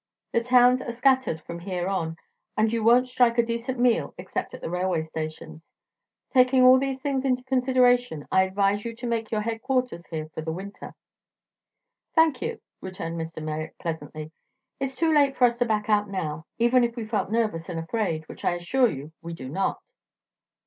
The towns are scattered from here on, and you won't strike a decent meal except at the railway stations. Taking all these things into consideration, I advise you to make your headquarters here for the winter." "Thank you," returned Mr. Merrick pleasantly. "It's too late for us to back out now, even if we felt nervous and afraid, which I assure you we do not."